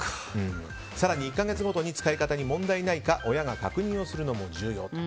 更に１か月ごとに使い方に問題がないか親が確認をするのも重要と。